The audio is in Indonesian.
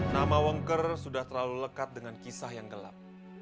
nama wongker sudah terlalu lekat dengan kisah yang gelap